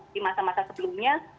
di masa masa sebelumnya